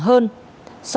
sự thân thiện nhất